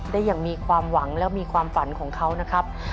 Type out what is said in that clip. ได้อย่างมีความหวังและมีความฝันของเขานะครับ